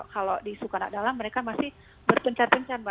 kalau di suku anak dalam mereka masih berpencar pencar mbak